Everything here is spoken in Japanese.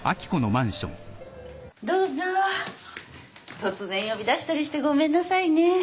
突然呼び出したりしてごめんなさいね。